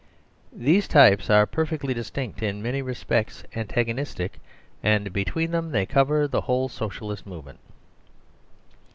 These types are perfectlydistinct, in many respects antagonistic, and between them they cover the whole Socialist movement.